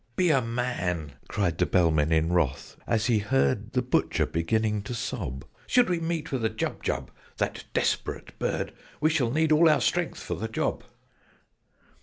"Be a man!" cried the Bellman in wrath, as he heard The Butcher beginning to sob. "Should we meet with a Jubjub, that desperate bird, We shall need all our strength for the job!"